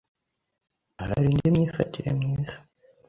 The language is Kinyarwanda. hari indi myifatire myiza